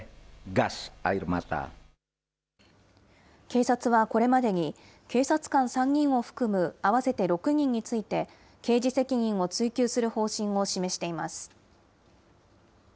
警察はこれまでに、警察官３人を含む合わせて６人について、刑事責任を追及する方針を示しています。